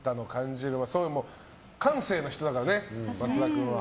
感性の人だからね、松田君は。